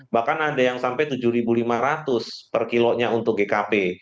bahkan ada yang sampai rp tujuh lima ratus per kilonya untuk gkp